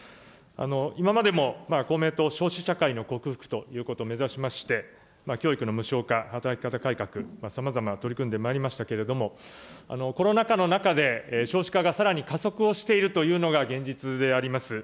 今までも公明党、少子社会の克服ということを目指しまして、教育の無償化、働き方改革、さまざま取り組んでまいりましたけれども、コロナ禍の中で、少子化がさらに加速をしているというのが現実であります。